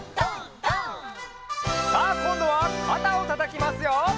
「」さあこんどはかたをたたきますよ。